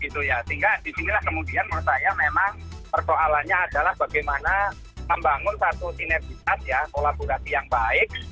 sehingga di sini kemudian menurut saya memang persoalannya adalah bagaimana membangun satu sinergis yang baik